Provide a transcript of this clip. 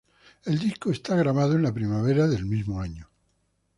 El disco es grabado en la primavera del mismo año.